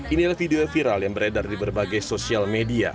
inilah video viral yang beredar di berbagai sosial media